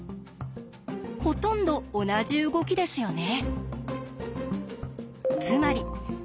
ほとんど同じ動きですよね。